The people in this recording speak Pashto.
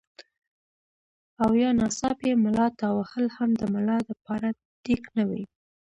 او يا ناڅاپي ملا تاوهل هم د ملا د پاره ټيک نۀ وي